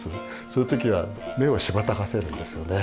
そういう時は目をしばたかせるんですよね。